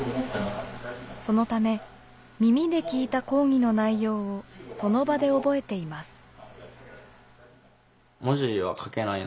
そのため耳で聞いた講義の内容をその場で覚えています。